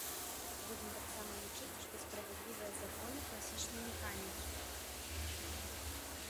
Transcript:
Будзем таксама лічыць, што справядлівыя законы класічнай механікі.